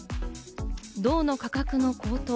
銅の価格の高騰。